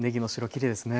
きれいですね。